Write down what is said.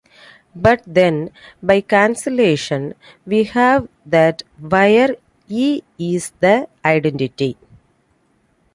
But then, by cancellation we have that where "e" is the identity.